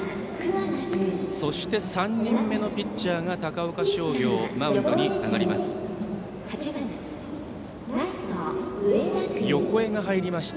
そして３人目のピッチャーが高岡商業はマウンドに上がります。